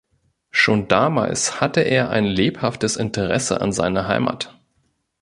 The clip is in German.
Schon damals hatte er ein lebhaftes Interesse an seiner Heimat.